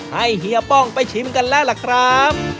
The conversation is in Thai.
เฮียป้องไปชิมกันแล้วล่ะครับ